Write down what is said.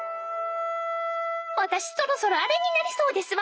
私そろそろあれになりそうですわ。